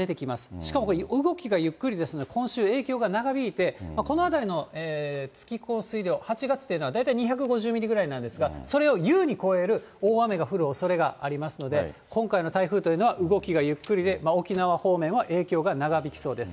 しかもこれ、動きがゆっくりですので、今週影響が長引いて、このあたりの月降水量、８月というのは、大体２５０ミリぐらいなんですが、それを優に超える大雨が降るおそれがありますので、今回の台風というのは、動きがゆっくりで、沖縄方面は影響が長引きそうです。